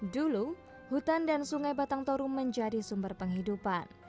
dulu hutan dan sungai batang toru menjadi sumber penghidupan